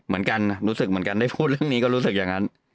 เหมือนกันรู้สึกเหมือนกันได้พูดเรื่องนี้ก็รู้สึกอย่างนั้น